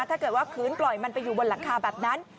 ถ้าเกิดว่าพื้นปล่อยมันไปอยู่บนหลังคาแบบนั้น